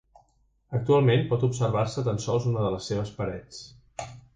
Actualment pot observar-se tan sols una de les seves parets.